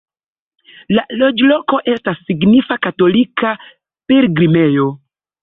La loĝloko estas signifa katolika pilgrimejo.